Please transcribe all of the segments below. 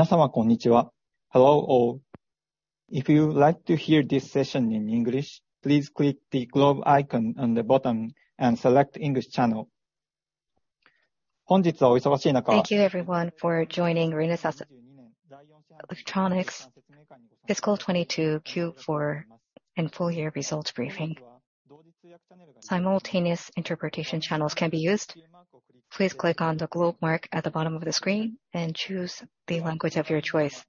Hello, all. If you would like to hear this session in English, please click the globe icon on the bottom and select English channel. Thank you everyone for joining Renesas Electronics fiscal 22 Q4 and full year results briefing. Simultaneous interpretation channels can be used. Please click on the globe mark at the bottom of the screen and choose the language of your choice.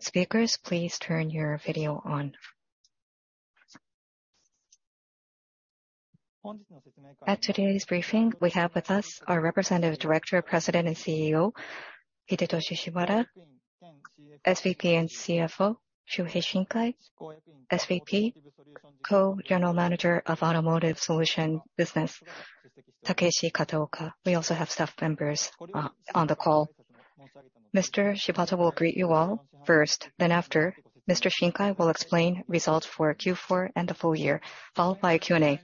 Speakers, please turn your video on. At today's briefing, we have with us our Representative Director, President and CEO Hidetoshi Shibata, SVP and CFO Shuhei Shinkai, SVP, Co-General Manager of Automotive Solutions Business, Takeshi Kataoka. We also have staff members on the call. Mr. Shibata will greet you all first, then after, Mr. Shinkai will explain results for Q4 and the full year, followed by a Q&A.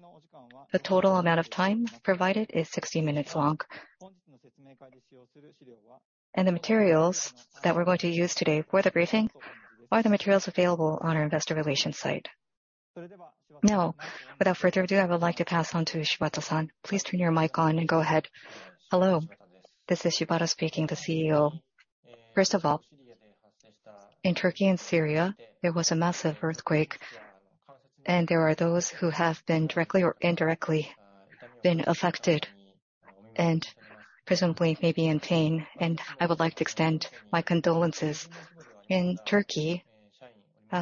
The total amount of time provided is 60 minutes long. The materials that we're going to use today for the briefing are the materials available on our investor relations site. Now, without further ado, I would like to pass on to Shibata-san. Please turn your mic on and go ahead. Hello, this is Shibata speaking, the CEO. First of all, in Turkey and Syria, there was a massive earthquake, there are those who have been directly or indirectly been affected and presumably may be in pain, and I would like to extend my condolences. In Turkey,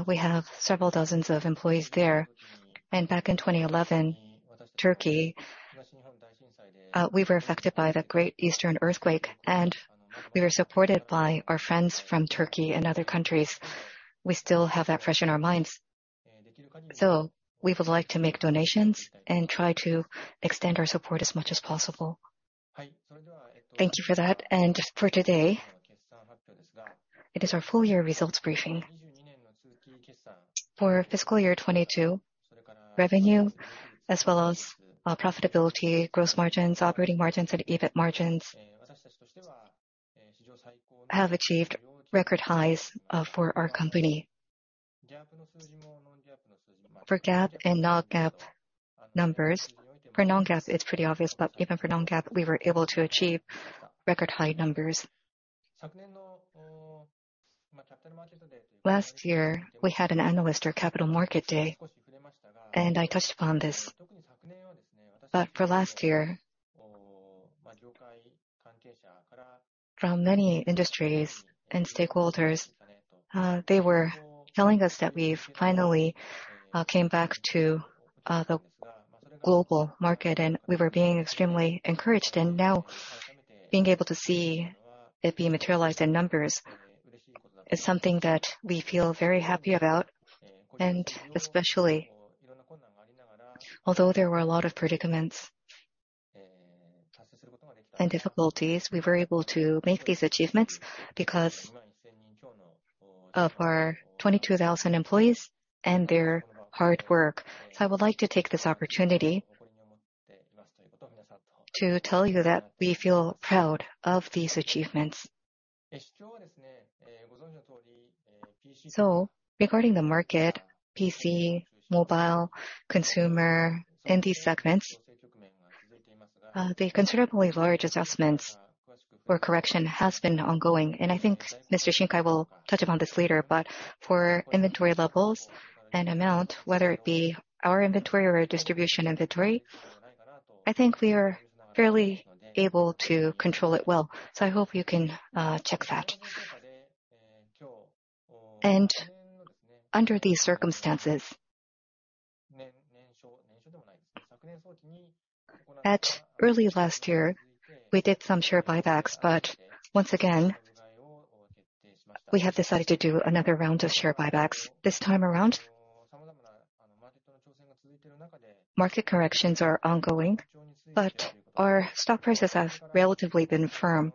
we have several dozens of employees there. Back in 2011, Turkey, we were affected by the great eastern earthquake, and we were supported by our friends from Turkey and other countries. We still have that fresh in our minds. We would like to make donations and try to extend our support as much as possible. Thank you for that. For today, it is our full year results briefing. For fiscal year 2022, revenue as well as profitability, gross margins, operating margins, and EBITDA margins have achieved record highs for our company. For GAAP and non-GAAP numbers, for non-GAAP it's pretty obvious, but even for non-GAAP we were able to achieve record high numbers. Last year, we had an analyst or capital market day, and I touched upon this. For last year, from many industries and stakeholders, they were telling us that we've finally came back to the global market, and we were being extremely encouraged. Now being able to see it being materialized in numbers is something that we feel very happy about. Especially, although there were a lot of predicaments and difficulties, we were able to make these achievements because of our 22,000 employees and their hard work. I would like to take this opportunity to tell you that we feel proud of these achievements. Regarding the market, PC, mobile, consumer, in these segments, the considerably large adjustments or correction has been ongoing, and I think Mr. Shinkai will touch upon this later. For inventory levels and amount, whether it be our inventory or a distribution inventory, I think we are fairly able to control it well. I hope you can check that. Under these circumstances, at early last year we did some share buybacks, but once again, we have decided to do another round of share buybacks. This time around, market corrections are ongoing, but our stock prices have relatively been firm.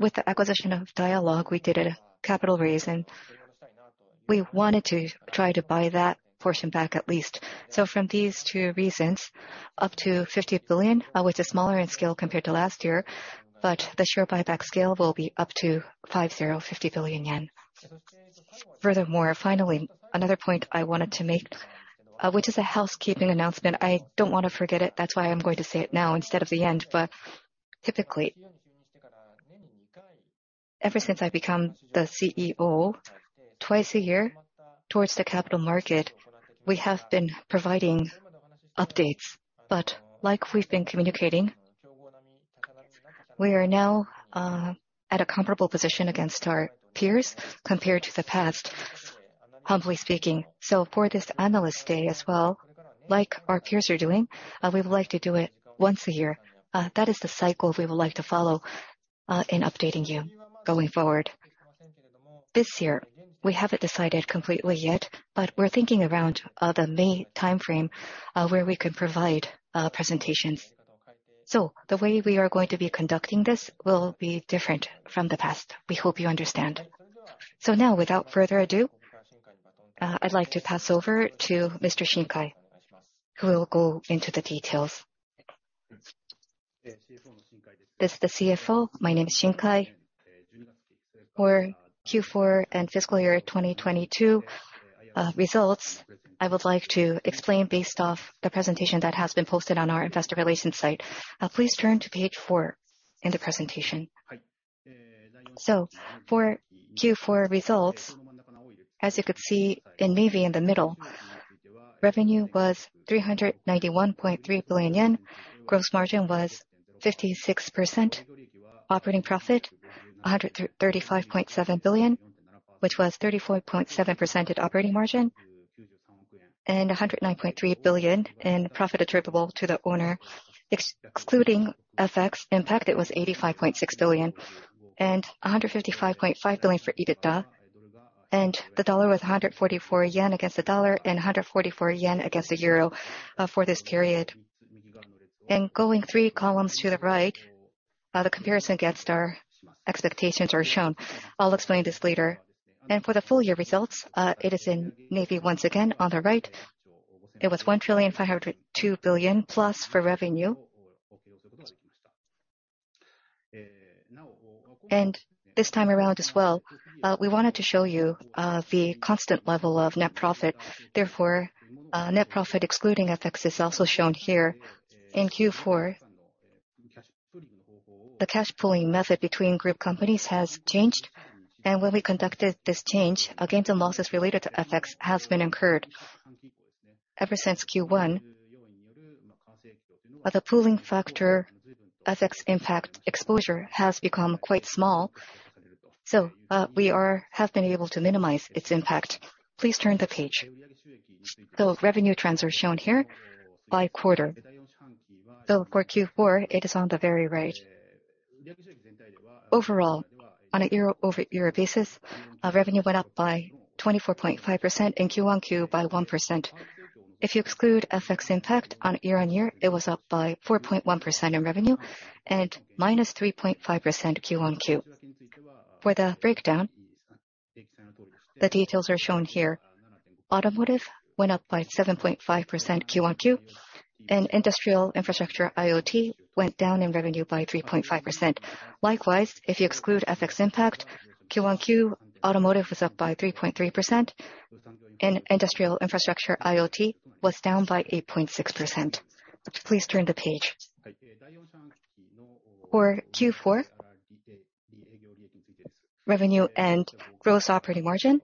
With the acquisition of Dialog, we did a capital raise, and we wanted to try to buy that portion back at least. From these two reasons, up to 50 billion JPY, which is smaller in scale compared to last year, but the share buyback scale will be up to 50 billion yen. Another point I wanted to make, which is a housekeeping announcement. I don't wanna forget it, that's why I'm going to say it now instead of the end. Typically, ever since I've become the CEO, twice a year towards the capital market, we have been providing updates. Like we've been communicating, we are now at a comparable position against our peers compared to the past, humbly speaking. For this analyst day as well, like our peers are doing, we would like to do it once a year. That is the cycle we would like to follow in updating you going forward. This year, we haven't decided completely yet, but we're thinking around the May timeframe, where we could provide presentations. The way we are going to be conducting this will be different from the past. We hope you understand. Now without further ado, I'd like to pass over to Mr. Shinkai, who will go into the details. This is the CFO. My name is Shinkai. For Q4 and fiscal year 2022 results, I would like to explain based off the presentation that has been posted on our investor relations site. Please turn to page four in the presentation. For Q4 results, as you could see in navy in the middle, revenue was 391.3 billion yen. Gross margin was 56%. Operating profit 135.7 billion, which was 34.7% at operating margin, and 109.3 billion in profit attributable to the owner. Excluding FX impact, it was 85.6 billion and 155.5 billion for EBITDA. The dollar was 144 yen against the dollar and 144 yen against the euro for this period. Going three columns to the right, the comparison against our expectations are shown. I'll explain this later. For the full year results, it is in navy once again on the right. It was 1 trillion 502 billion plus for revenue. This time around as well, we wanted to show you the constant level of net profit. Therefore, net profit excluding FX is also shown here. In Q4, the cash pooling method between group companies has changed. When we conducted this change, a gain to losses related to FX has been incurred. Ever since Q1, the pooling factor FX impact exposure has become quite small, so we have been able to minimize its impact. Please turn the page. The revenue trends are shown here by quarter. For Q4, it is on the very right. Overall, on a year-over-year basis, revenue went up by 24.5% and Q-on-Q by 1%. If you exclude FX impact on year-on-year, it was up by 4.1% in revenue and -3.5% Q-on-Q. For the breakdown, the details are shown here. Automotive went up by 7.5% Q-on-Q, and Industrial Infrastructure IoT went down in revenue by 3.5%. Likewise, if you exclude FX impact, Q-on-Q Automotive was up by 3.3% and Industrial Infrastructure IoT was down by 8.6%. Please turn the page. For Q4 revenue and gross operating margin,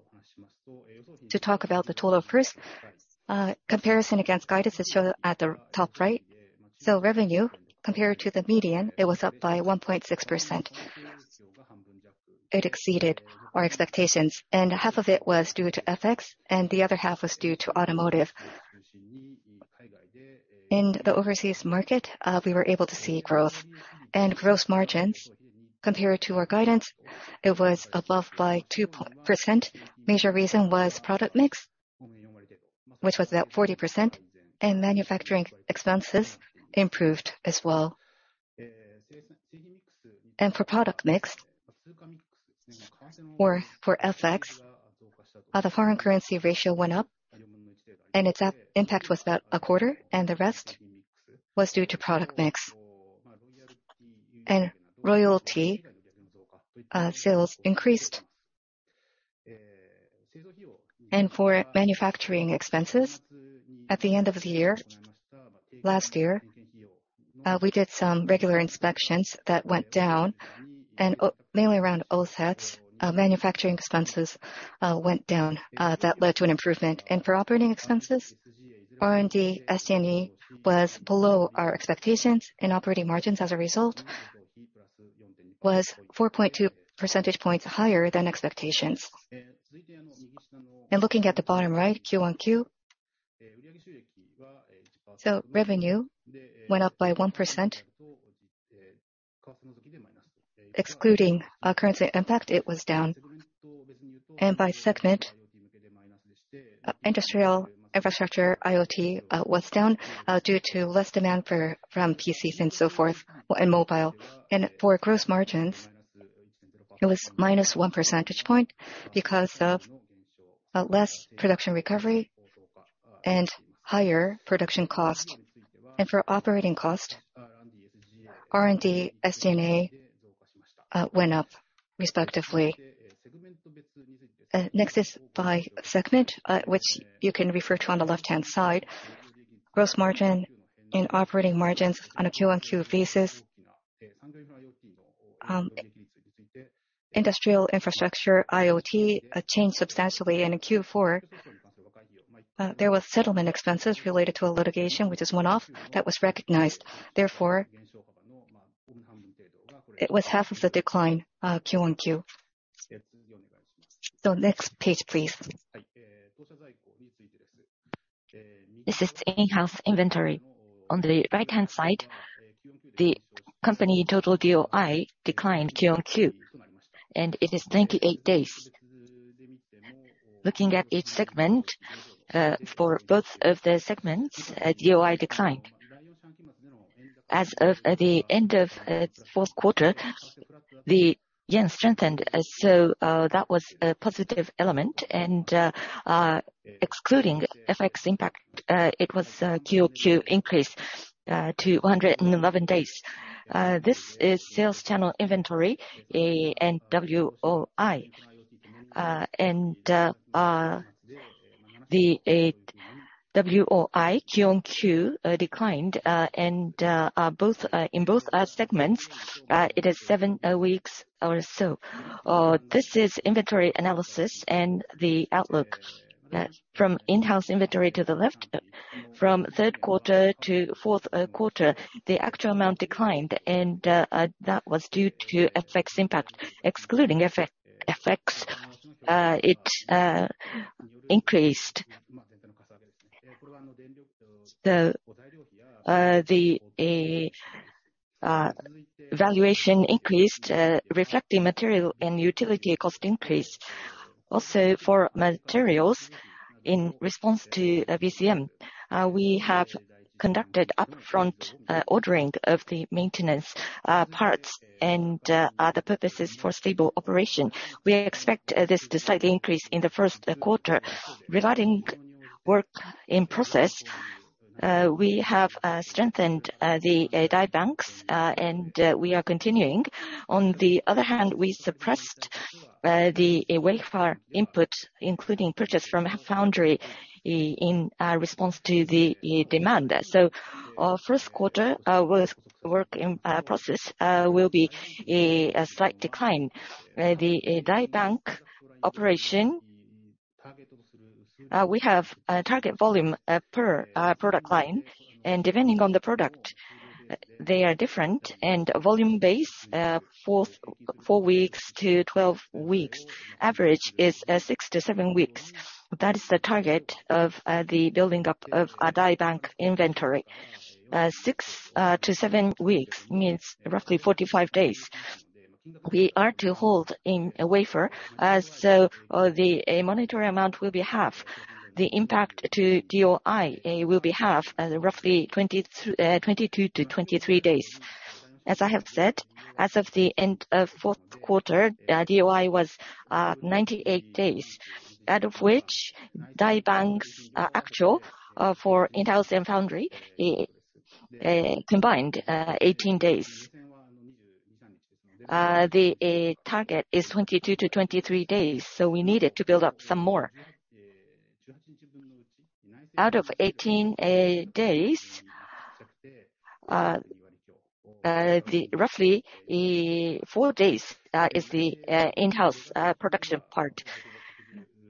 to talk about the total first, comparison against guidance is shown at the top right. Revenue, compared to the median, it was up by 1.6%. It exceeded our expectations. Half of it was due to FX and the other half was due to Automotive. In the overseas market, we were able to see growth. Gross margins, compared to our guidance, it was above by 2%. Major reason was product mix, which was about 40%. Manufacturing expenses improved as well. For product mix or for FX, the foreign currency ratio went up and its impact was about a quarter. The rest was due to product mix. Royalty sales increased. For manufacturing expenses, at the end of the year, last year, we did some regular inspections that went down and mainly around OSATs, manufacturing expenses went down, that led to an improvement. For operating expenses, R&D, SG&A was below our expectations, and operating margins as a result was 4.2 percentage points higher than expectations. Looking at the bottom right, QoQ, revenue went up by 1%. Excluding currency impact, it was down. By segment, Industrial, Infrastructure and IoT was down due to less demand for, from PCs and so forth, or in mobile. For gross margins, it was -1 percentage point because of less production recovery and higher production cost. For operating cost, R&D, SG&A went up respectively. Next is by segment, which you can refer to on the left-hand side. Gross margin and operating margins on a QoQ basis. Industrial, Infrastructure and IoT changed substantially in Q4. There was settlement expenses related to a litigation, which is one-off, that was recognized. It was half of the decline Q-on-Q. Next page, please. This is in-house inventory. On the right-hand side, the company total DOI declined Q-on-Q, and it is 98 days. Looking at each segment, for both of the segments, DOI declined. As of the end of fourth quarter, the yen strengthened, that was a positive element and excluding FX impact, it was a QOQ increase to 111 days. This is sales channel inventory, ANWOI. The WOI QOQ declined, and in both segments, it is seven weeks or so. This is inventory analysis and the outlook. From in-house inventory to the left, from third quarter to fourth quarter, the actual amount declined and that was due to FX impact. Excluding FX, it increased. The valuation increased, reflecting material and utility cost increase. For materials in response to VCM, we have conducted upfront ordering of the maintenance parts and other purposes for stable operation. We expect this to slightly increase in the first quarter. Regarding work in process, we have strengthened the die banks, and we are continuing. We suppressed the wafer input, including purchase from foundry in response to the demand. First quarter was work in process will be a slight decline. The die bank operation, we have a target volume per product line, and depending on the product, they are different. Volume base, four weeks to 12 weeks. Average is six to seven weeks. That is the target of the building up of a die bank inventory. six to seven weeks means roughly 45 days. We are to hold in a wafer, the monetary amount will be half. The impact to DOI will be half, roughly 22 to 23 days. As I have said, as of the end of fourth quarter, the DOI was 98 days. Out of which, die banks, actual, for in-house and foundry combined, 18 days. The target is 22 to 23 days, we needed to build up some more. Out of 18 days, the roughly four days is the in-house production part.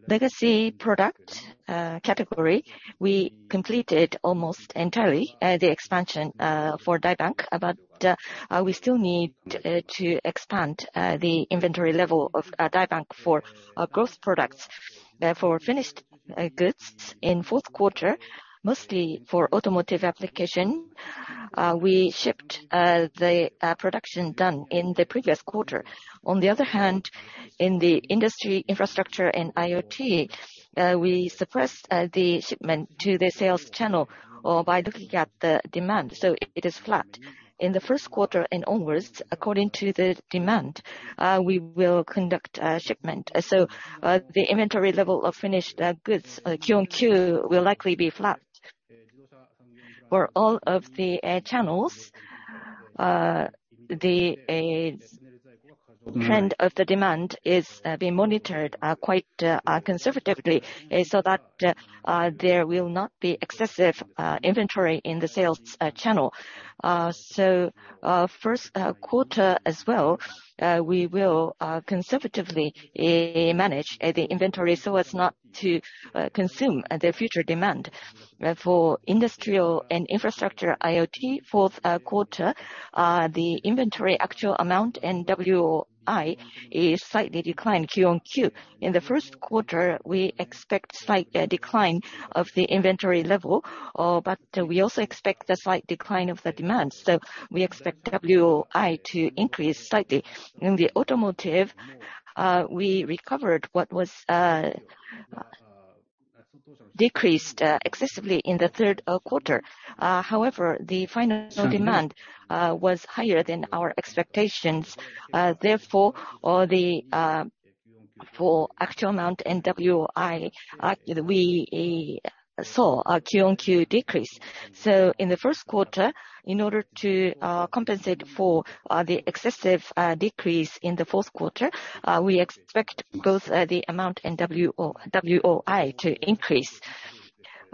Legacy product category, we completed almost entirely the expansion for die bank, but we still need to expand the inventory level of a die bank for our growth products. Therefore, finished goods in fourth quarter, mostly for automotive application, we shipped the production done in the previous quarter. On the other hand, in the Industrial, Infrastructure and IoT, we suppressed the shipment to the sales channel, or by looking at the demand, so it is flat. In the first quarter and onwards, according to the demand, we will conduct a shipment. The inventory level of finished goods QOQ will likely be flat. For all of the channels, the trend of the demand is being monitored quite conservatively, so that there will not be excessive inventory in the sales channel. First quarter as well, we will conservatively manage the inventory, so as not to consume the future demand. For Industrial and Infrastructure IoT fourth quarter, the inventory actual amount in WOI is slightly declined QOQ. In the first quarter, we expect slight decline of the inventory level, but we also expect a slight decline of the demand. We expect WOI to increase slightly. In the automotive, we recovered what was decreased excessively in the third quarter. The final demand was higher than our expectations. Therefore, the for actual amount in WOI, we saw a QOQ decrease. In the first quarter, in order to compensate for the excessive decrease in the fourth quarter, we expect both the amount in WOI to increase.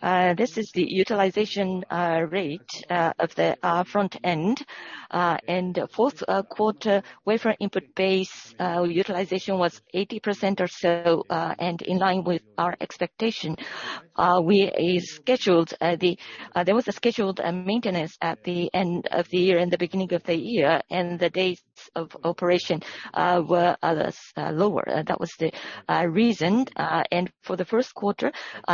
This is the utilization rate of the front end. Fourth quarter, wafer input base, utilization was 80% or so, and in line with our expectation. We scheduled, there was a scheduled maintenance at the end of the year and the beginning of the year, and the days of operation were lower. That was the reason. For the first quarter,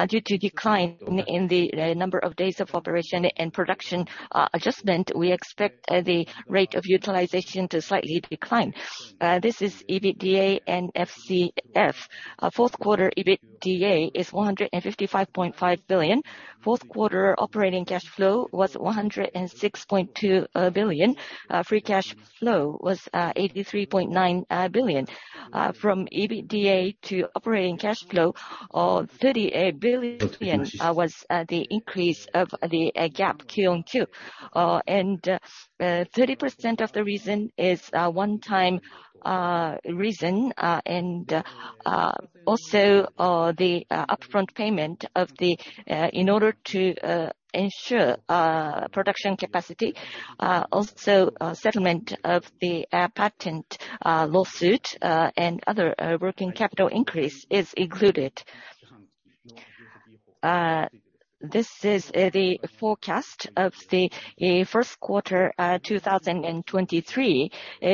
due to decline in the number of days of operation and production adjustment, we expect the rate of utilization to slightly decline. This is EBITDA and FCF. Our fourth quarter EBITDA is 155.5 billion. Fourth quarter operating cash flow was 106.2 billion. Free cash flow was 83.9 billion. From EBITDA to operating cash flow, 38 billion was the increase of the gap Q on Q. 30% of the reason is one time reason, and also the upfront payment of the. In order to ensure production capacity, also settlement of the patent lawsuit, and other working capital increase is included. This is the forecast of the first quarter 2023.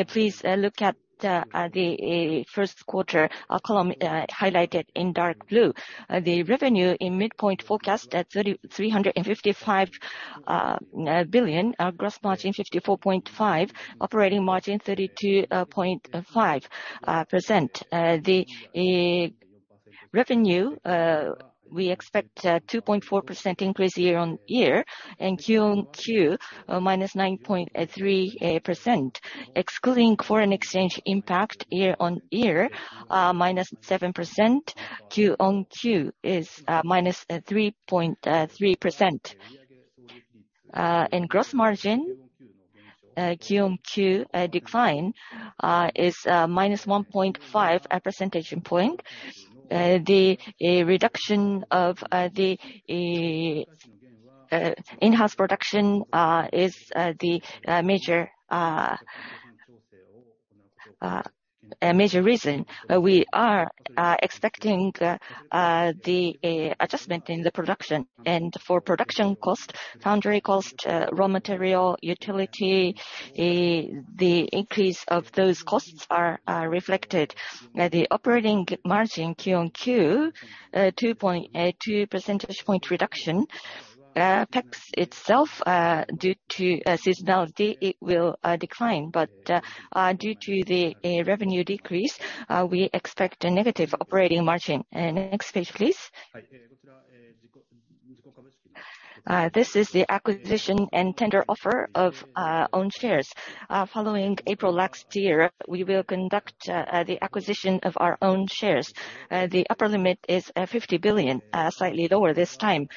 Please look at the first quarter column highlighted in dark blue. The revenue in midpoint forecast at 3,355 billion. Our gross margin 54.5%. Operating margin 32.5%. The revenue we expect 2.4% increase year-over-year and quarter-over-quarter -9.3%. Excluding foreign exchange impact year-over-year, -7%. Quarter-over-quarter is -3.3%. Gross margin quarter-over-quarter decline is -1.5 percentage point. The reduction of the in-house production is the major a major reason. We are expecting the adjustment in the production. For production cost, foundry cost, raw material, utility, the increase of those costs are reflected. The operating margin Q on Q 2.2 percentage point reduction. Tax itself, due to seasonality, it will decline. Due to the revenue decrease, we expect a negative operating margin. Next page, please. This is the acquisition and tender offer of own shares. Following April last year, we will conduct the acquisition of our own shares. The upper limit is 50 billion, slightly lower this time.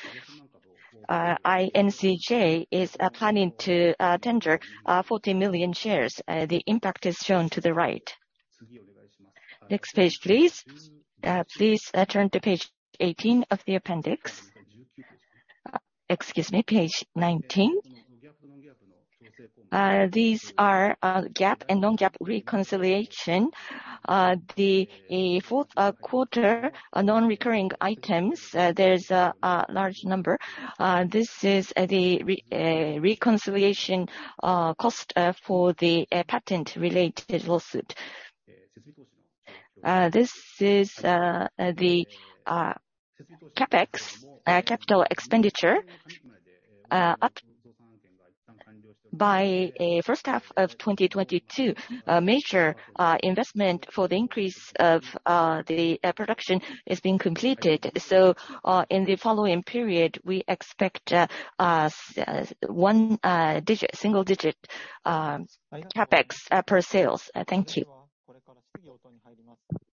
INCJ is planning to tender 40 million shares. The impact is shown to the right. Next page, please. Please turn to page 18 of the appendix. Excuse me, page 19. These are GAAP and non-GAAP reconciliation. The fourth quarter non-recurring items, there's a large number. This is the reconciliation cost for the patent-related lawsuit. This is the Capex capital expenditure up by first half of 2022. Major investment for the increase of the production is being completed. In the following period, we expect single digit Capex per sales. Thank you.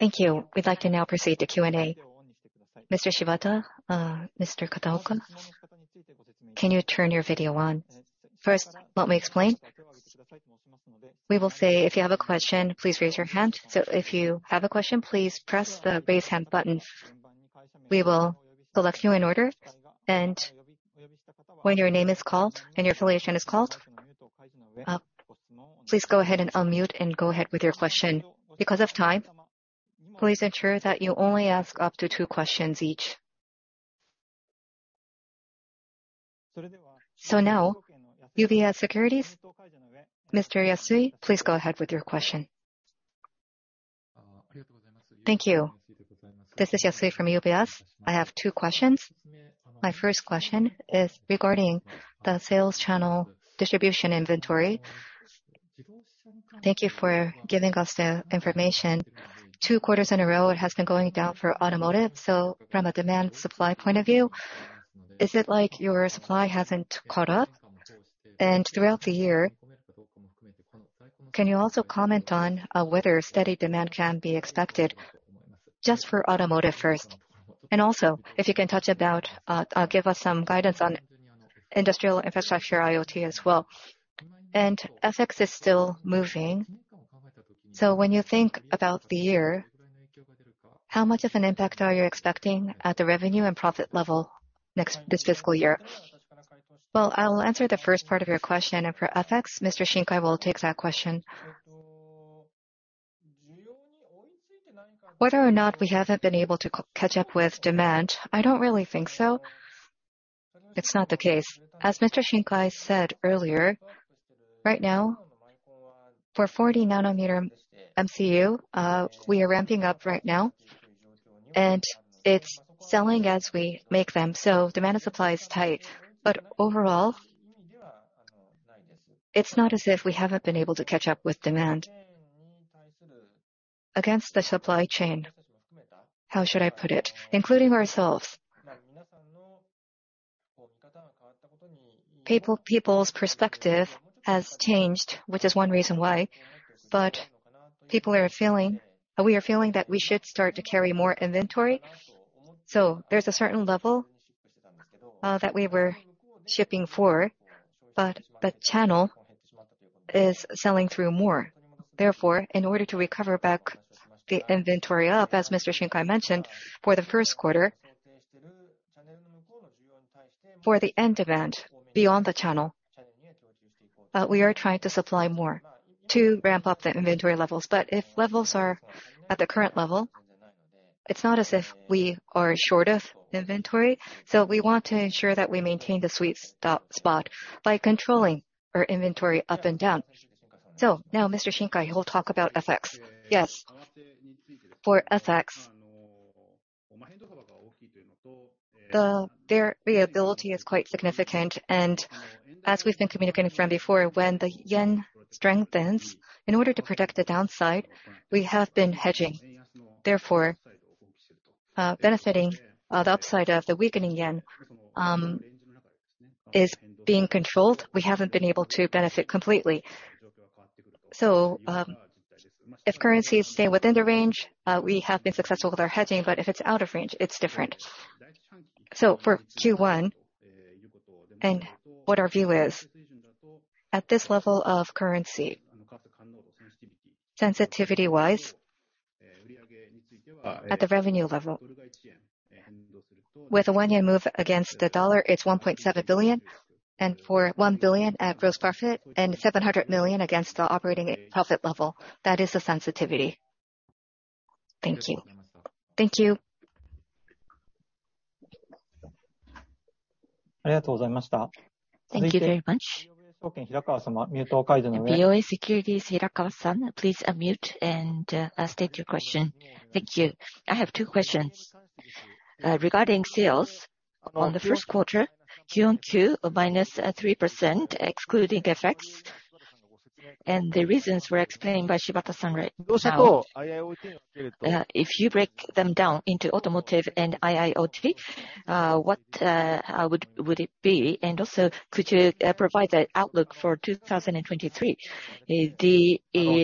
Thank you. We'd like to now proceed to Q&A. Mr. Shibata, Mr. Kataoka, can you turn your video on? First, let me explain. We will say, "If you have a question, please raise your hand." If you have a question, please press the Raise Hand button. We will call you in order. When your name is called and your affiliation is called, please go ahead and unmute and go ahead with your question. Because of time, please ensure that you only ask up to two questions each. Now, UBS Securities, Mr. Yasui, please go ahead with your question. Thank you. This is Yasui from UBS. I have two questions. My first question is regarding the sales channel distribution inventory. Thank you for giving us the information. Two quarters in a row, it has been going down for automotive. From a demand supply point of view, is it like your supply hasn't caught up? Throughout the year, can you also comment on whether steady demand can be expected, just for automotive first? Also, if you can touch about, give us some guidance on Industrial, Infrastructure and IoT as well. FX is still moving. When you think about the year, how much of an impact are you expecting at the revenue and profit level this fiscal year? I will answer the first part of your question. For FX, Mr. Shinkai will take that question. Whether or not we haven't been able to catch up with demand, I don't really think so. It's not the case. As Mr. Shinkai said earlier, right now, for 40nm MCU, we are ramping up right now, and it's selling as we make them. Demand and supply is tight. It's not as if we haven't been able to catch up with demand. Against the supply chain, how should I put it? Including ourselves, people's perspective has changed, which is one reason why, but people are feeling. We are feeling that we should start to carry more inventory. There's a certain level that we were shipping for, but the channel is selling through more. In order to recover back the inventory up, as Mr. Shinkai mentioned, for the first quarter, for the end demand beyond the channel, we are trying to supply more to ramp up the inventory levels. If levels are at the current level, it's not as if we are short of inventory. We want to ensure that we maintain the sweet spot by controlling our inventory up and down. Now Mr. Shinkai will talk about FX. Yes. For FX, the variability is quite significant. As we've been communicating from before, when the yen strengthens, in order to protect the downside, we have been hedging. Therefore, benefiting the upside of the weakening yen, is being controlled. We haven't been able to benefit completely. If currencies stay within the range, we have been successful with our hedging, but if it's out of range, it's different. For Q1 and what our view is, at this level of currency, sensitivity-wise, at the revenue level, with a 1 yen move against the dollar, it's 1.7 billion. For 1 billion at gross profit and 700 million against the operating profit level, that is the sensitivity. Thank you. Thank you. Thank you very much. BofA Securities, Hirakawa-san, please unmute and state your question. Thank you. I have two questions. Regarding sales on the first quarter, QoQ, a minus 3% excluding FX. The reasons were explained by Shibata-san right now. If you break them down into automotive and IIoT, how would it be? Also could you provide a outlook for 2023? The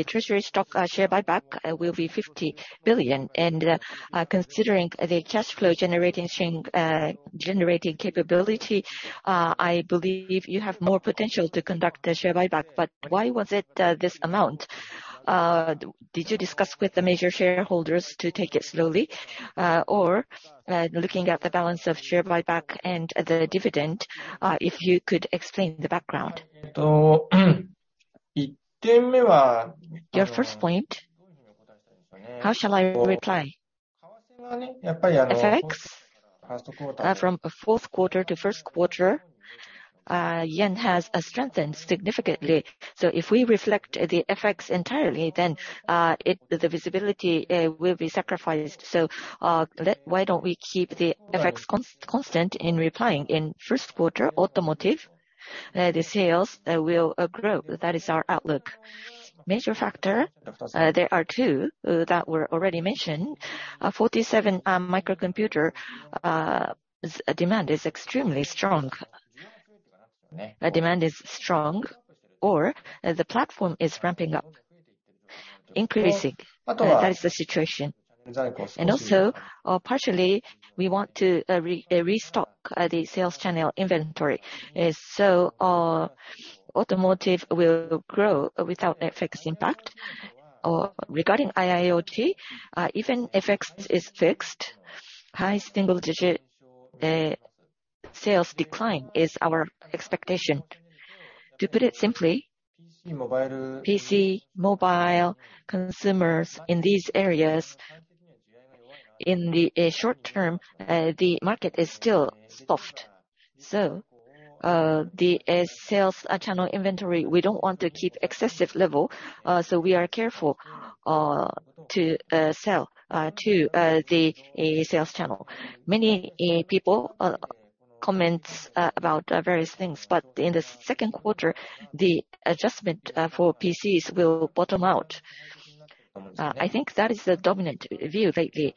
treasury stock share buyback will be 50 billion. Considering the cash flow generating capability, I believe you have more potential to conduct the share buyback. Why was it this amount? Did you discuss with the major shareholders to take it slowly? Or, looking at the balance of share buyback and the dividend, if you could explain the background. Your first point, how shall I reply? FX, from fourth quarter to first quarter, yen has strengthened significantly. If we reflect the FX entirely, the visibility, will be sacrificed. Why don't we keep the FX constant in replying. In first quarter, automotive, the sales will grow. That is our outlook. Major factor, there are two, that were already mentioned. 47, microcomputer, demand is extremely strong. The demand is strong or the platform is ramping up, increasing. That is the situation. Partially we want to restock the sales channel inventory. Automotive will grow without FX impact. Regarding IIoT, even FX is fixed, high single-digit sales decline is our expectation. To put it simply, PC, mobile, consumers in these areas, in the short term, the market is still stuffed. The sales channel inventory, we don't want to keep excessive level, so we are careful to sell to the sales channel. Many people comments about various things, but in the second quarter, the adjustment for PCs will bottom out. I think that is the dominant view lately.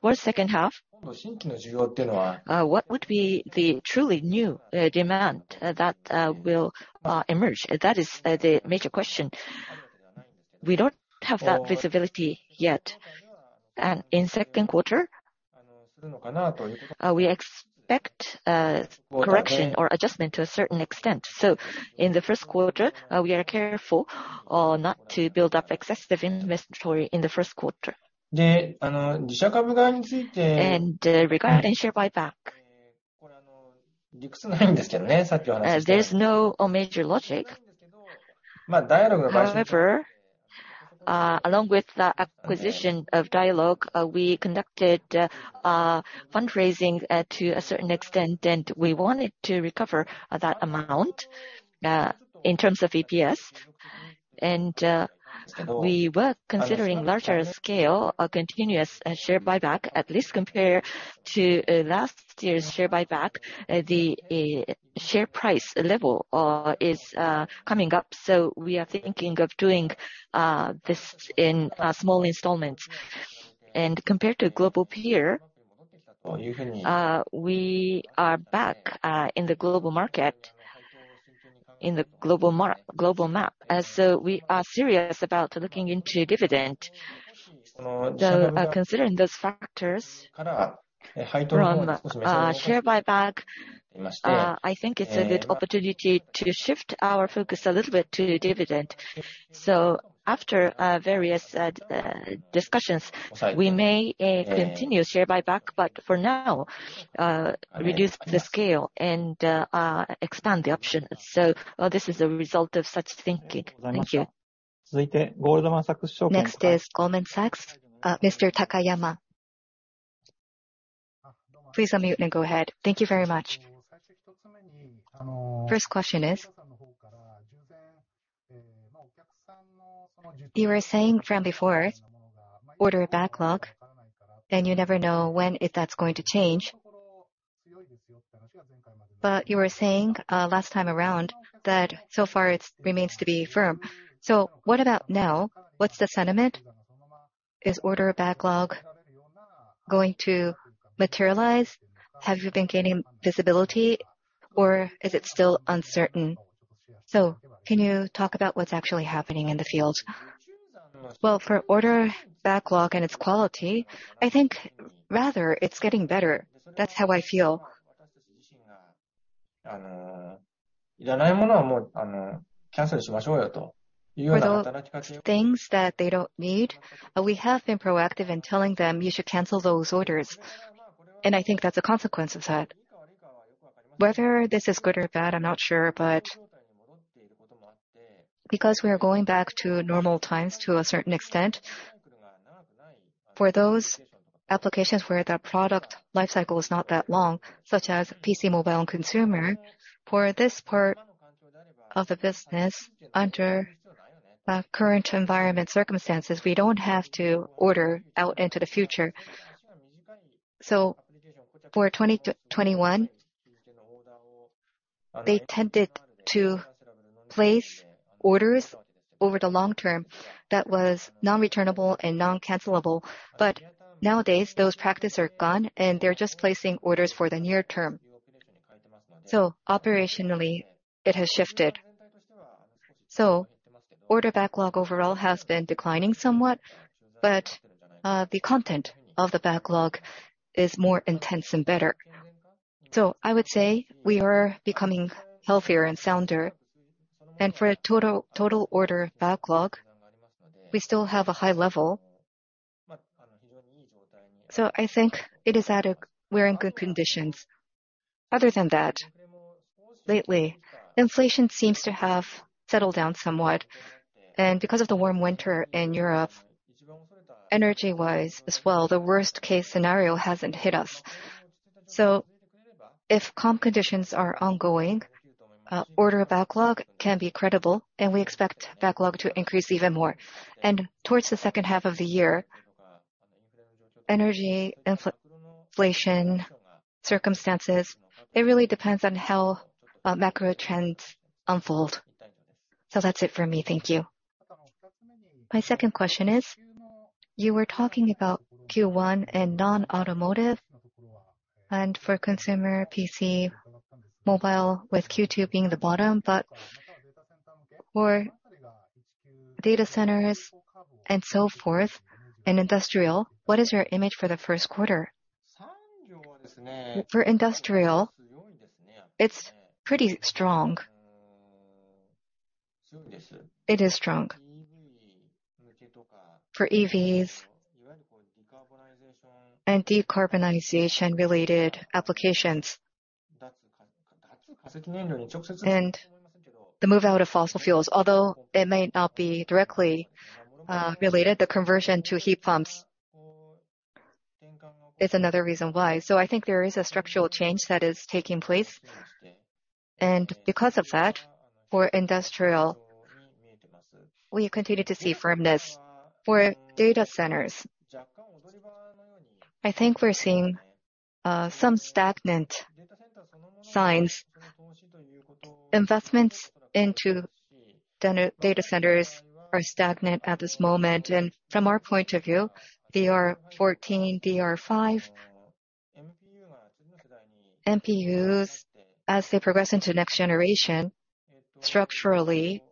For second half, what would be the truly new demand that will emerge? That is the major question. We don't have that visibility yet. In second quarter, we expect correction or adjustment to a certain extent. In the first quarter, we are careful not to build up excessive inventory in the first quarter. Regarding share buyback, there's no major logic. However, along with the acquisition of Dialog, we conducted fundraising to a certain extent, and we wanted to recover that amount in terms of EPS. We were considering larger scale, a continuous share buyback, at least compared to last year's share buyback. The share price level is coming up, so we are thinking of doing this in small installments. Compared to global peer, we are back in the global market, in the global map. We are serious about looking into dividend. Considering those factors from share buyback, I think it's a good opportunity to shift our focus a little bit to dividend. After various discussions, we may continue share buyback, but for now, reduce the scale and expand the options. This is a result of such thinking. Thank you. Next is Goldman Sachs. Mr. Takayama. Please unmute and go ahead. Thank you very much. First question is, you were saying from before, order backlog, and you never know when that's going to change. You were saying last time around that so far it remains to be firm. What about now? What's the sentiment? Is order backlog going to materialize? Have you been gaining visibility or is it still uncertain? Can you talk about what's actually happening in the field? Well, for order backlog and its quality, I think rather it's getting better. That's how I feel. For those things that they don't need, we have been proactive in telling them, "You should cancel those orders." I think that's a consequence of that. Whether this is good or bad, I'm not sure, because we are going back to normal times to a certain extent, for those applications where the product life cycle is not that long, such as PC, mobile, and consumer, for this part of the business, under current environment circumstances, we don't have to order out into the future. For 2021, they tended to place orders over the long term that was non-returnable and non-cancelable. Nowadays, those practice are gone, and they're just placing orders for the near term. Operationally, it has shifted. Order backlog overall has been declining somewhat, but the content of the backlog is more intense and better. I would say we are becoming healthier and sounder. For total order backlog, we still have a high level. I think it is at we're in good conditions. Other than that, lately, inflation seems to have settled down somewhat, and because of the warm winter in Europe, energy-wise as well, the worst-case scenario hasn't hit us. If calm conditions are ongoing, order backlog can be credible, and we expect backlog to increase even more. Towards the second half of the year, energy inflation circumstances, it really depends on how macro trends unfold. That's it for me. Thank you. My second question is, you were talking about Q1 and non-automotive and for consumer PC, mobile with Q2 being the bottom, but for data centers and so forth, and industrial, what is your image for the first quarter? For industrial, it's pretty strong. It is strong. For EVs and decarbonization related applications and the move out of fossil fuels, although it may not be directly related, the conversion to heat pumps is another reason why. I think there is a structural change that is taking place. Because of that, for industrial, we continue to see firmness. For data centers, I think we're seeing some stagnant signs. Investments into data centers are stagnant at this moment. From our point of view, DDR4, DDR5 MPUs, as they progress into next generation, structurally,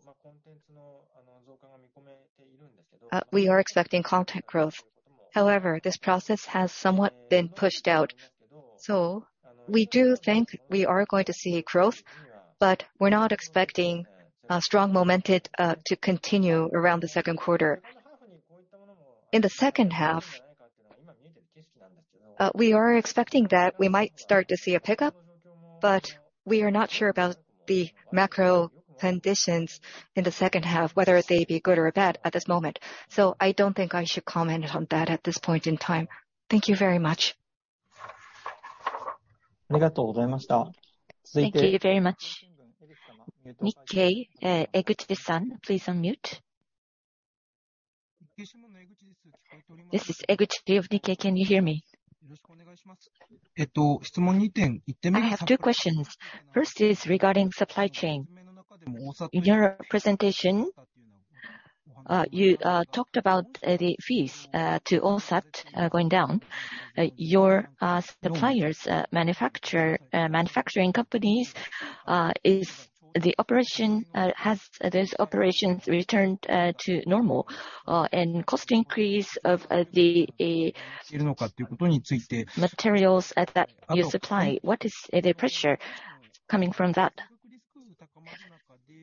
we are expecting content growth. However, this process has somewhat been pushed out. We do think we are going to see growth, but we're not expecting a strong momentum to continue around the second quarter. In the second half, we are expecting that we might start to see a pickup, but we are not sure about the macro conditions in the second half, whether they be good or bad at this moment. I don't think I should comment on that at this point in time. Thank you very much. Thank you very much. Nikkei, Eguchi-san, please unmute. This is Eguchi of Nikkei. Can you hear me? Yes. I have two questions. First is regarding supply chain. In your presentation, you talked about the fees to OSAT going down. Your suppliers, manufacturing companies, is the operation, has those operations returned to normal? Cost increase of the materials that you supply, what is the pressure coming from that?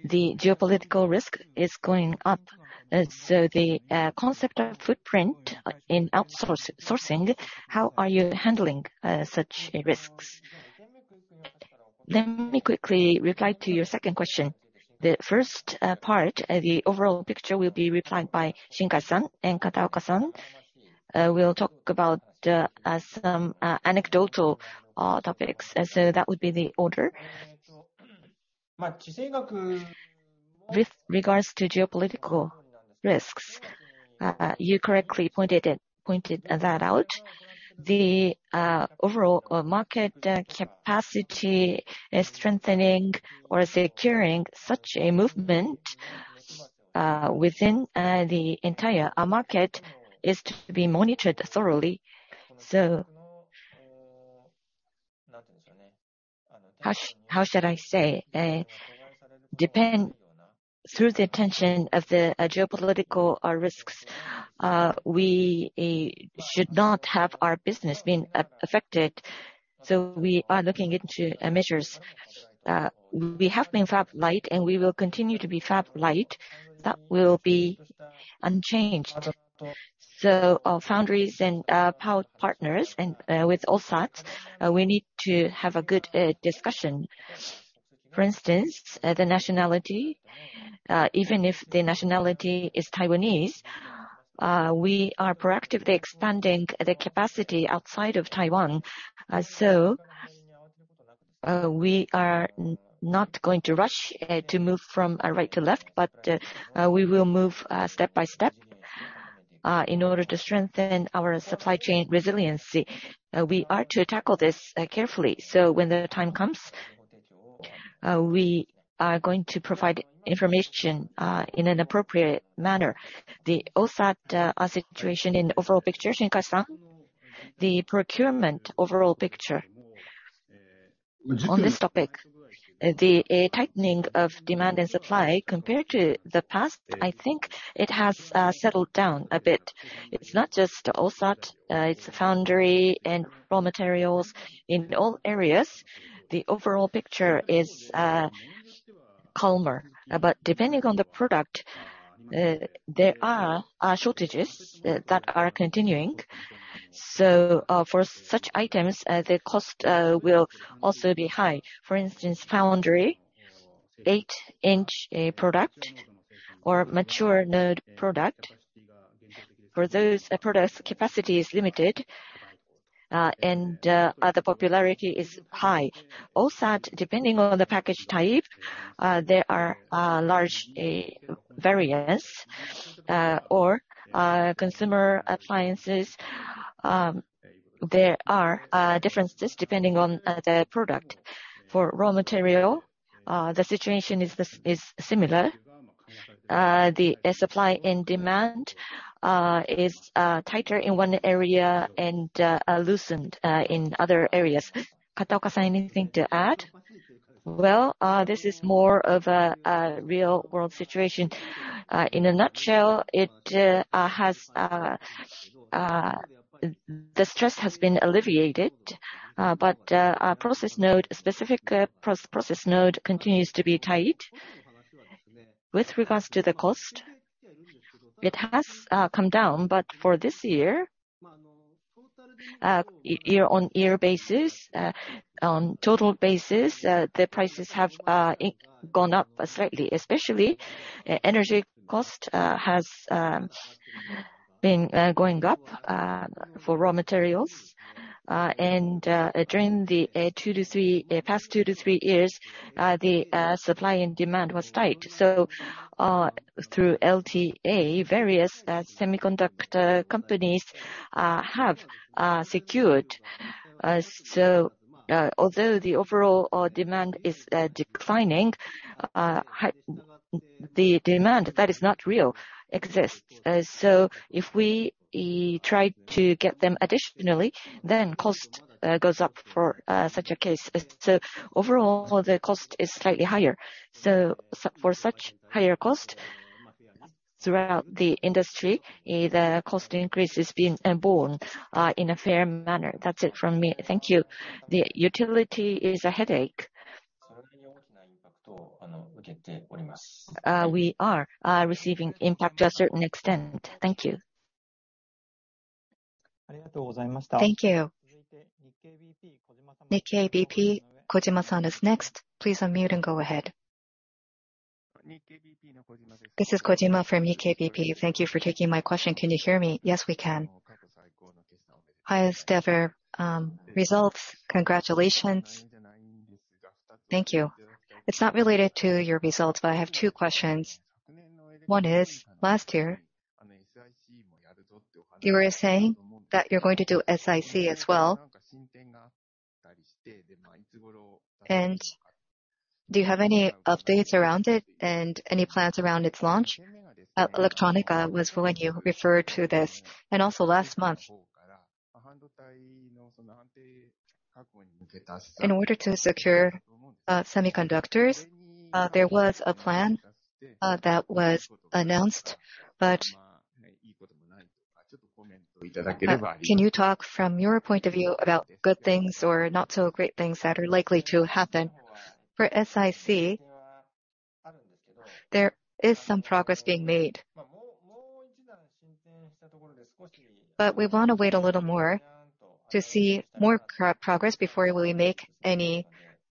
The geopolitical risk is going up, so the concept of footprint in outsource sourcing, how are you handling such risks? Let me quickly reply to your second question. The first part, the overall picture will be replied by Shinkai-san and Kataoka-san. We'll talk about some anecdotal topics. That would be the order. With regards to geopolitical risks, you correctly pointed that out. The overall market capacity is strengthening or securing such a movement within the entire market is to be monitored thoroughly. How should I say? Depend through the attention of the geopolitical risks, we should not have our business being affected, so we are looking into measures. We have been fab-lite and we will continue to be fab-lite. That will be unchanged. Our foundries and partners and with OSAT, we need to have a good discussion. For instance, the nationality, even if the nationality is Taiwanese, we are proactively expanding the capacity outside of Taiwan. we are not going to rush to move from right to left, but we will move step by step in order to strengthen our supply chain resiliency. We are to tackle this carefully, so when the time comes, we are going to provide information in an appropriate manner. The OSAT situation in overall picture, Shinkai San? The procurement overall picture. On this topic, the tightening of demand and supply compared to the past, I think it has settled down a bit. It's not just OSAT, it's foundry and raw materials. In all areas, the overall picture is calmer. Depending on the product, there are shortages that are continuing. For such items, the cost will also be high. For instance, foundry, eight inch product or mature node product, for those products, capacity is limited, and the popularity is high. OSAT, depending on the package type, there are large variance, or consumer appliances, there are differences depending on the product. For raw material, the situation is similar. The supply and demand is tighter in one area and loosened in other areas. Kataoka San, anything to add? Well, this is more of a real world situation. In a nutshell, it has the stress has been alleviated, but our specific process node continues to be tight. With regards to the cost, it has come down, but for this year-on-year basis, on total basis, the prices have gone up slightly, especially energy cost has been going up for raw materials. During the past two to three years, the supply and demand was tight. Through LTA, various semiconductor companies have secured. Although the overall demand is declining, the demand that is not real exists. If we try to get them additionally, then cost goes up for such a case. Overall, the cost is slightly higher. For such higher cost throughout the industry, the cost increase is being borne in a fair manner. That's it from me. Thank you. The utility is a headache. We are receiving impact to a certain extent. Thank you. Thank you. Nikkei BP, Kojima San is next. Please unmute and go ahead. This is Kojima from EKBP. Thank you for taking my question. Can you hear me? Yes, we can. Highest ever, results. Congratulations. Thank you. It's not related to your results, but I have two questions. One is, last year you were saying that you're going to do SiC as well. Do you have any updates around it and any plans around its launch? Electronica was for when you referred to this. Also last month in order to secure semiconductors, there was a plan that was announced. Can you talk from your point of view about good things or not so great things that are likely to happen? For SiC there is some progress being made. We want to wait a little more to see more progress before we make any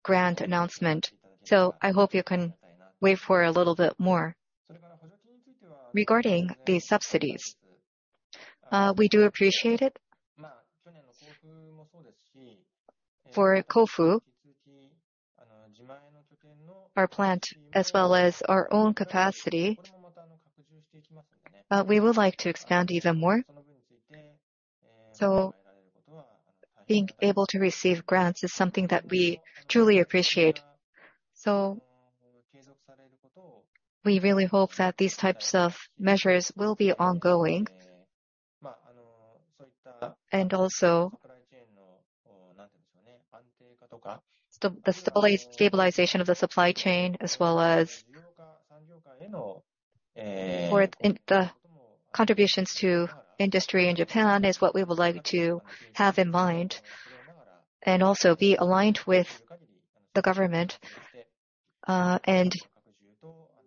grand announcement. I hope you can wait for a little bit more. Regarding the subsidies, we do appreciate it. For Kofu, our plant as well as our own capacity, we would like to expand even more. Being able to receive grants is something that we truly appreciate. We really hope that these types of measures will be ongoing. Also the stabilization of the supply chain as well as for the contributions to industry in Japan is what we would like to have in mind, and also be aligned with the government, and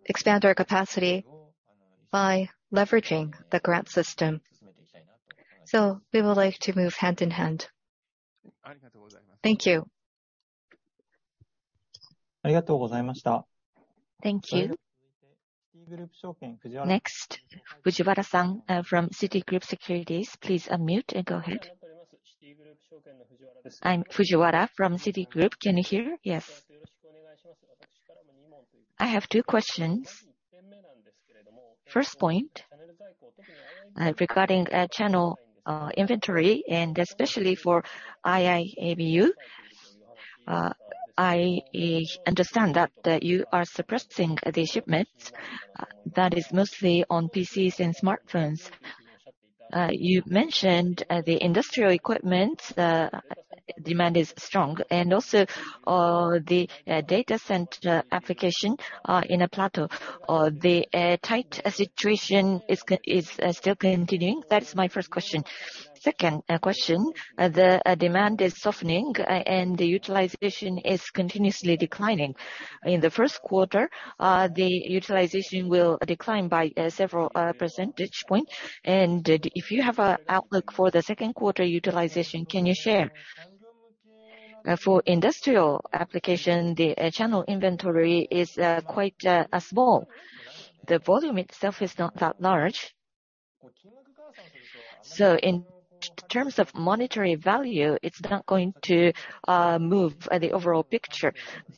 expand our capacity by leveraging the grant system. We would like to move hand in hand. Thank you. Thank you. Next, Fujiwara-san, from Citigroup Securities, please unmute and go ahead. I'm Fujiwara from Citigroup. Can you hear? Yes. I have two questions. First point, regarding channel inventory and especially for IIBU. I understand that you are suppressing the shipments that is mostly on PCs and smartphones. You mentioned the industrial equipment demand is strong. Also, the data center application in a plateau. The tight situation is still continuing. That is my first question. Second, question, the demand is softening and the utilization is continuously declining. In the first quarter, the utilization will decline by several percentage point. If you have a outlook for the second quarter utilization, can you share? For industrial application, the channel inventory is quite small. The volume itself is not that large. In terms of monetary value, it's not going to move the overall picture.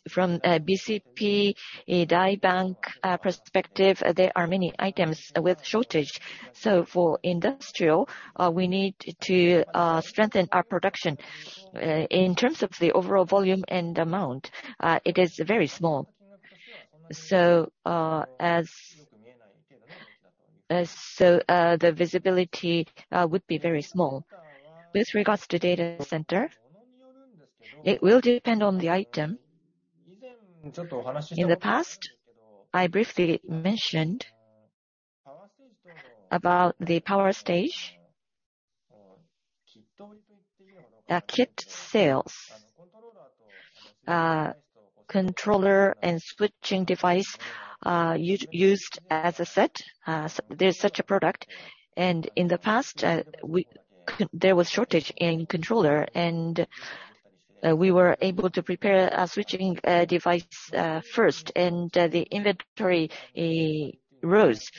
From a BCP, a Die Bank perspective, there are many items with shortage. For industrial, we need to strengthen our production. In terms of the overall volume and amount, it is very small. As so, the visibility would be very small. With regards to data center, it will depend on the item. In the past, I briefly mentioned about the power stage kit sales. Controller and switching device used as a set. There's such a product. In the past, we there was shortage in controller and we were able to prepare a switching device first and the inventory rose.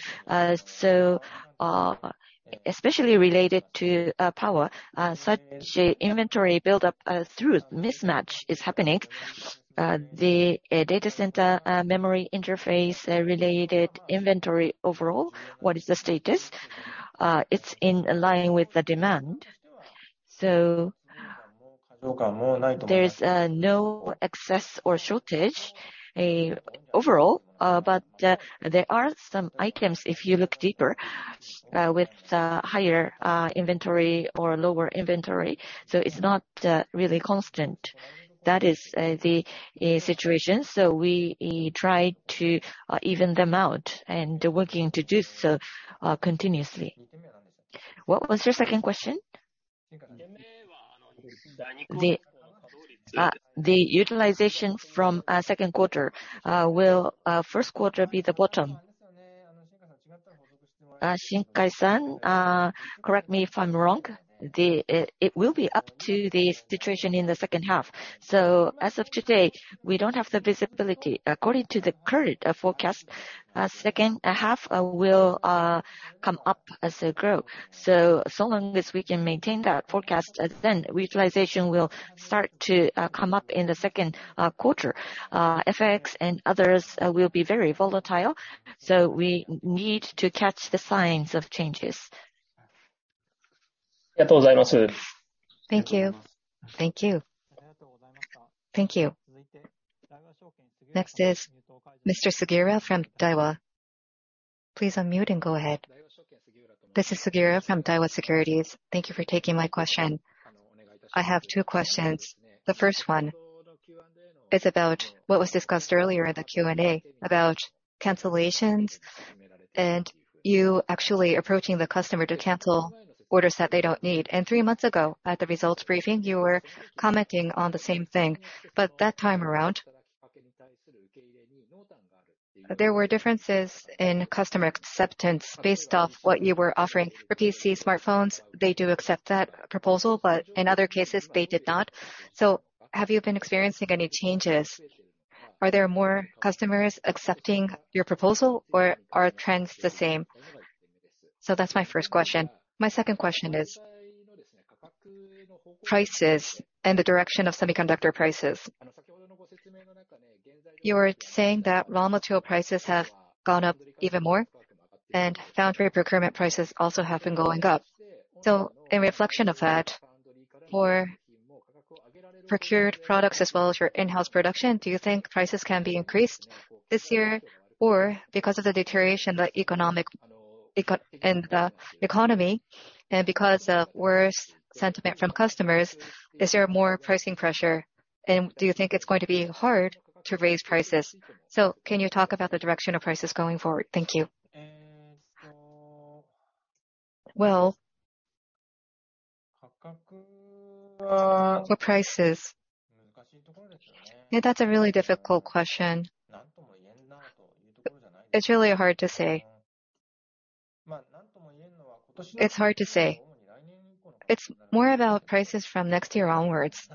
Especially related to power, such inventory build up through mismatch is happening. The data center memory interface related inventory overall, what is the status? It's in line with the demand. There is no excess or shortage overall. But there are some items if you look deeper, with higher inventory or lower inventory, so it's not really constant. That is the situation. We try to even them out and working to do so continuously. What was your second question? The utilization from second quarter. Will first quarter be the bottom? Shinkai-san, correct me if I'm wrong, it will be up to the situation in the second half. As of today, we don't have the visibility. According to the current forecast, second half will come up as a growth. So long as we can maintain that forecast, then utilization will start to come up in the second quarter. FX and others will be very volatile, we need to catch the signs of changes. Thank you. Thank you. Thank you. Next is Mr. Sugiura from Daiwa. Please unmute and go ahead. This is Sugiura from Daiwa Securities. Thank you for taking my question. I have two questions. The first one is about what was discussed earlier in the Q&A about cancellations and you actually approaching the customer to cancel orders that they don't need. 3 months ago, at the results briefing, you were commenting on the same thing. That time around, there were differences in customer acceptance based off what you were offering. For PC smartphones, they do accept that proposal, but in other cases, they did not. Have you been experiencing any changes? Are there more customers accepting your proposal or are trends the same? That's my first question. My second question is prices and the direction of semiconductor prices. You were saying that raw material prices have gone up even more, and foundry procurement prices also have been going up. In reflection of that, for procured products as well as your in-house production, do you think prices can be increased this year? Or because of the deterioration the economic... In the economy, because of worse sentiment from customers, is there more pricing pressure, and do you think it's going to be hard to raise prices? Can you talk about the direction of prices going forward? Thank you. Well, for prices. Yeah, that's a really difficult question. It's really hard to say. It's more about prices from next year onwards.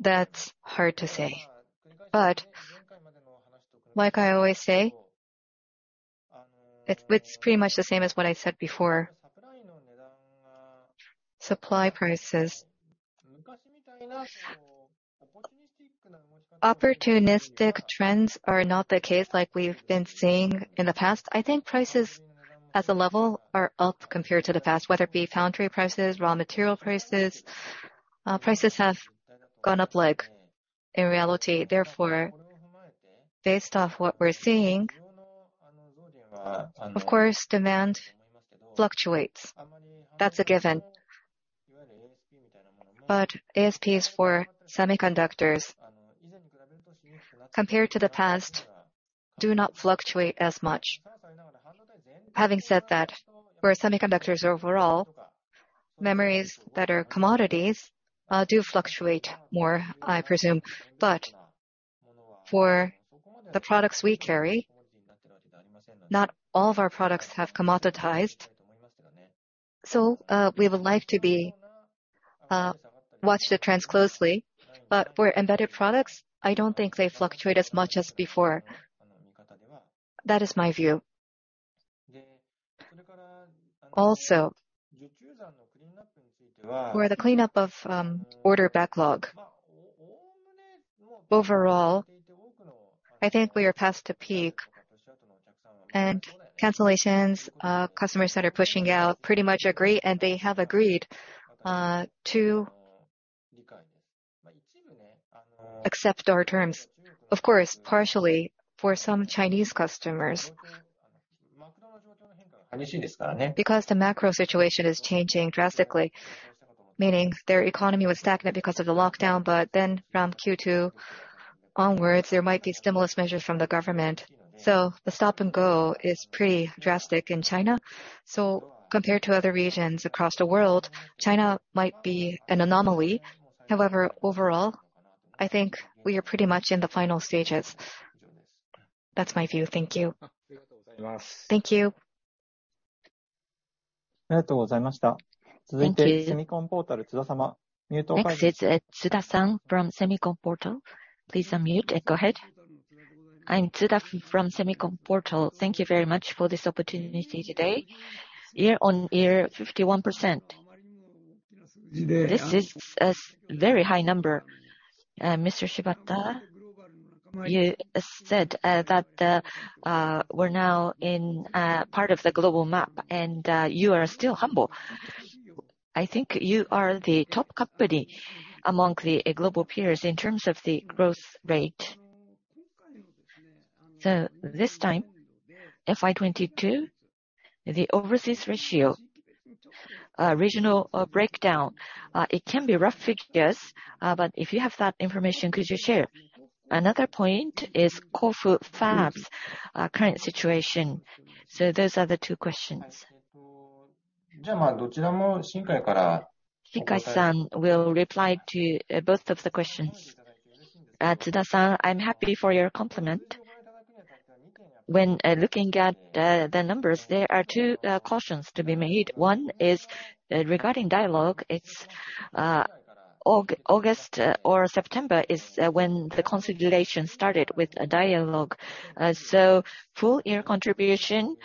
That's hard to say. Like I always say, it's pretty much the same as what I said before. Supply prices. Opportunistic trends are not the case like we've been seeing in the past. I think prices as a level are up compared to the past, whether it be foundry prices, raw material prices have gone up like in reality. Based off what we're seeing, of course, demand fluctuates. That's a given. ASPs for semiconductors, compared to the past, do not fluctuate as much. Having said that, for semiconductors overall, memories that are commodities, do fluctuate more, I presume. For the products we carry, not all of our products have commoditized. We would like to be, watch the trends closely. For embedded products, I don't think they fluctuate as much as before. That is my view. Also, for the cleanup of, order backlog, overall, I think we are past the peak and cancellations, customers that are pushing out pretty much agree, and they have agreed, to accept our terms. Of course, partially for some Chinese customers. The macro situation is changing drastically, meaning their economy was stagnant because of the lockdown, from Q2 onwards, there might be stimulus measures from the government. The stop and go is pretty drastic in China. Compared to other regions across the world, China might be an anomaly. However, overall, I think we are pretty much in the final stages. That's my view. Thank you. Thank you. Thank you. Thank you. Next is Tsuda-san from Semiconductor. Please unmute and go ahead. I'm Tsuda from Semiconductor. Thank you very much for this opportunity today. Year-over-year, 51%. This is a very high number. Mr. Shibata, you said that we're now in part of the global map and you are still humble. I think you are the top company among the global peers in terms of the growth rate. This time, FY22, the overseas ratio, regional breakdown, it can be rough figures, but if you have that information, could you share? Another point is Kofu Fabs, current situation. Those are the two questions. Shinkai-san will reply to both of the questions. Tsuda-san, I'm happy for your compliment. When looking at the numbers, there are two cautions to be made. One is, regarding Dialog, it's August or September is when the consolidation started with Dialog. Full year contribution,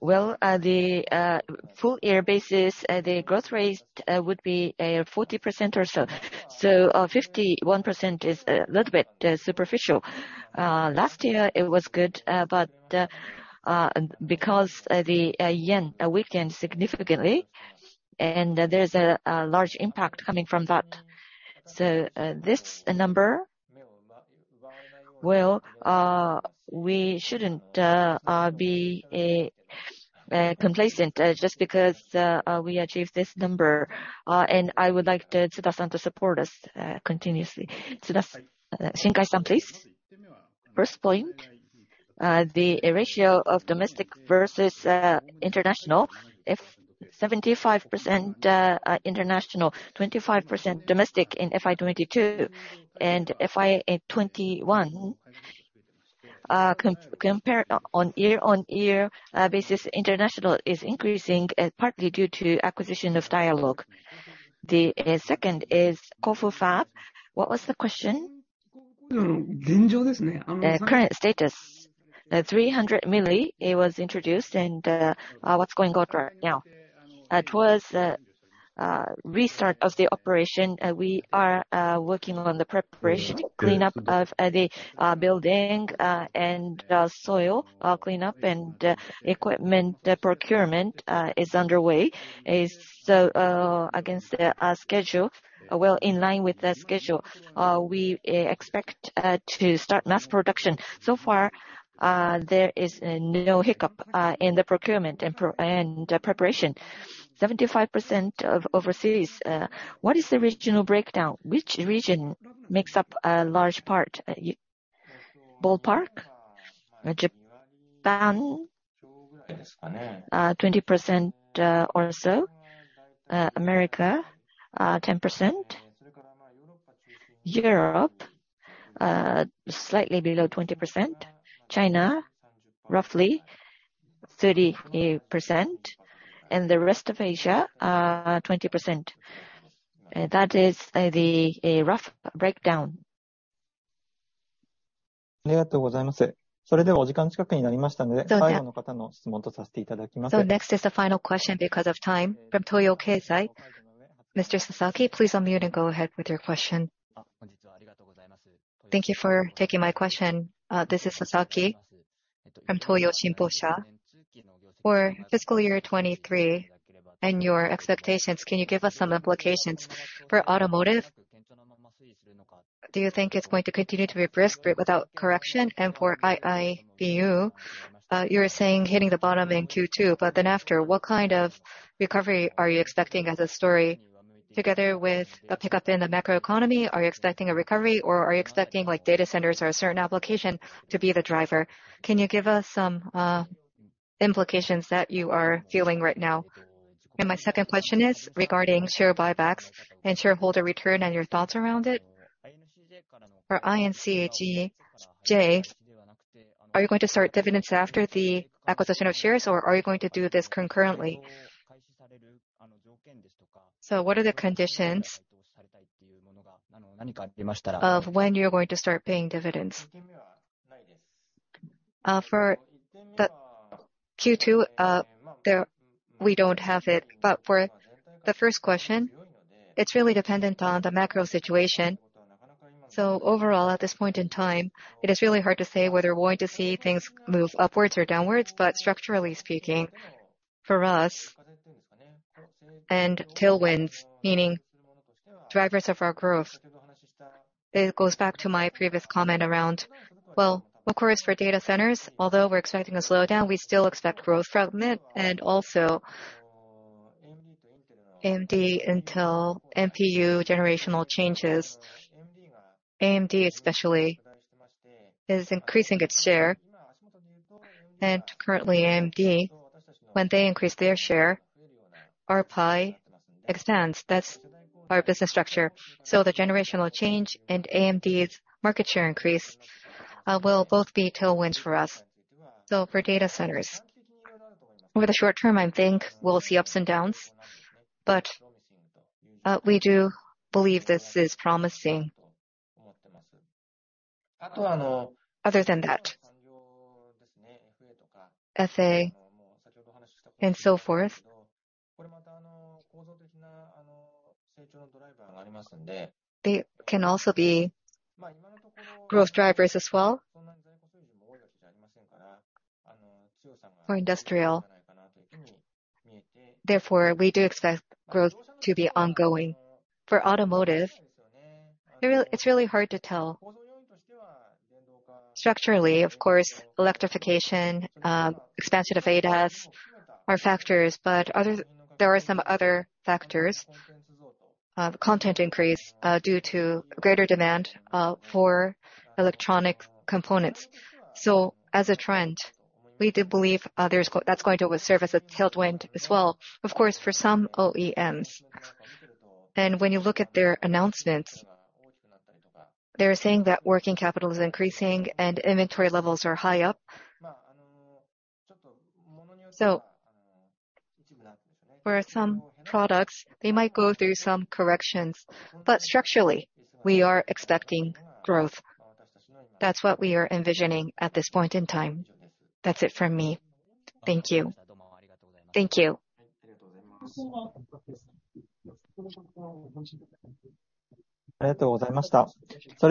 well, at the full year basis, the growth rate would be 40% or so. 51% is a little bit superficial. Last year it was good, but because the yen weakened significantly and there's a large impact coming from that. This number, well, we shouldn't be complacent just because we achieved this number. I would like Tsuda-san to support us continuously. Shinkai-san, please. First point, the ratio of domestic versus international. If 75%, international, 25% domestic in FY 2022 and FY 2021, compare on year-on-year basis, international is increasing, partly due to acquisition of Dialog. The second is Kofu fab. What was the question? The current status. The 300mm, it was introduced. What's going on right now. It was restart of the operation. We are working on the preparation cleanup of the building and soil cleanup and equipment. The procurement is underway. Against the schedule, well, in line with the schedule, we expect to start mass production. There is no hiccup in the procurement and preparation. 75% of overseas, what is the regional breakdown? Which region makes up a large part? Ballpark? Japan, 20% or so, America, 10%, Europe, slightly below 20%, China roughly 38%, and the rest of Asia, 20%. That is the rough breakdown. Next is the final question because of time from Toyo Keizai. Mr. Sasaki, please unmute and go ahead with your question. Thank you for taking my question. This is Sasaki from Toyo Shimposha. For fiscal year 2023 and your expectations, can you give us some implications? For automotive, do you think it's going to continue to be brisk but without correction? For IIBU, you were saying hitting the bottom in Q2, after, what kind of recovery are you expecting as a story together with the pickup in the macroeconomy? Are you expecting a recovery or are you expecting like data centers or a certain application to be the driver? Can you give us some implications that you are feeling right now? My second question is regarding share buybacks and shareholder return and your thoughts around it. For INCJ, are you going to start dividends after the acquisition of shares or are you going to do this concurrently? What are the conditions of when you're going to start paying dividends? For the Q2, there we don't have it. For the first question, it's really dependent on the macro situation. Overall, at this point in time, it is really hard to say whether we're going to see things move upwards or downwards. Structurally speaking, for us and tailwinds, meaning drivers of our growth, it goes back to my previous comment around, well, of course, for data centers, although we're expecting a slowdown, we still expect growth from it. Also AMD Intel, MPU generational changes. AMD especially is increasing its share. Currently AMD, when they increase their share, our pie extends. That's our business structure. The generational change and AMD's market share increase will both be tailwinds for us. For data centers, over the short term, I think we'll see ups and downs, but we do believe this is promising. Other than that, SA and so forth, they can also be growth drivers as well for industrial. We do expect growth to be ongoing. For automotive, it's really hard to tell. Structurally, of course, electrification, expansion of ADAS are factors, but there are some other factors, content increase due to greater demand for electronic components. As a trend, we do believe that's going to serve as a tailwind as well, of course, for some OEMs. When you look at their announcements, they are saying that working capital is increasing and inventory levels are high up. For some products, they might go through some corrections. Structurally, we are expecting growth. That's what we are envisioning at this point in time. That's it from me. Thank you. Thank you.